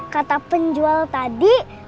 kata penjual tadi